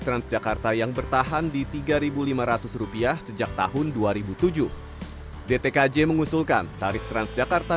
transjakarta yang bertahan di tiga ribu lima ratus rupiah sejak tahun dua ribu tujuh dtkj mengusulkan tarif transjakarta